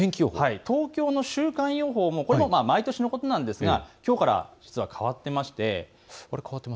東京の週間予報、これも毎年のことですがきょうから変わっています。